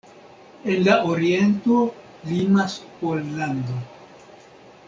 En la oriento limas Pollando.